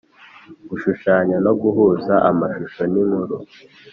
gushushanya no guhuza amashusho n’inkuru;